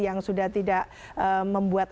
yang sudah tidak membuat